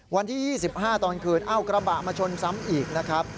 วันที่๒๕ตอนคืนเอ้ากระบะมาชนซ้ำอีกนะครับ